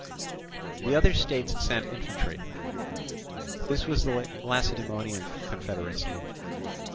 The other states sent infantry. This was the Lacedaemonian confederacy.